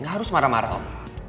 harus marah marah om